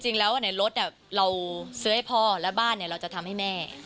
จริงแล้วในรถเราซื้อให้พ่อและบ้านเราจะทำให้แม่